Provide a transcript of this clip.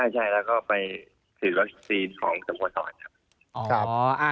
ใช่แล้วก็ไปฉีดวัคซีนของสโมสรครับ